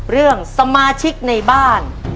เรื่องสมาชิกในบ้าน